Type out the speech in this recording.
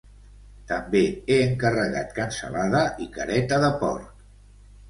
També he encarregat cansalada i careta de porc